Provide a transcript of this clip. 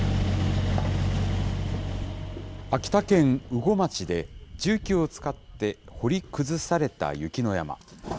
秋田県羽後町で、重機を使って掘り崩された雪の山。